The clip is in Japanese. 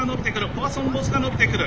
ポアソンボスが伸びてくる。